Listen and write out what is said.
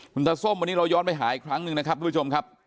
คุณตาส้มวันนี้เราย้อนไปหาอีกครั้งหนึ่งนะครับทุกผู้ชมครับ